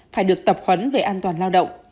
phải được tập khuấn về an toàn lao động